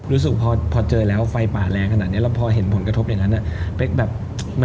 รู้สึกพอเจอแล้วไฟป่าแรงขนาดนี้แล้วพอเห็นผลกระทบอย่างนั้นเป๊กแบบมัน